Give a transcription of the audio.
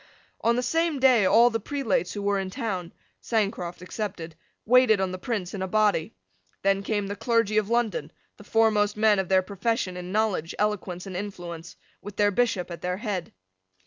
On the same day all the prelates who were in town, Sancroft excepted, waited on the Prince in a body. Then came the clergy of London, the foremost men of their profession in knowledge, eloquence, and influence, with their bishop at their head.